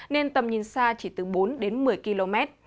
nên tầm nhìn xa chỉ từ bốn đến một mươi km